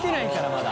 まだ。